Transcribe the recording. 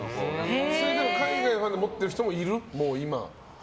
海外で持っている人はいる？